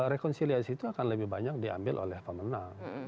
rekonsiliasi itu akan lebih banyak diambil oleh pemenang